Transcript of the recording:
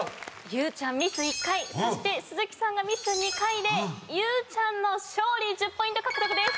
ゆうちゃんミス１回そして鈴木さんがミス２回でゆうちゃんの勝利１０ポイント獲得です。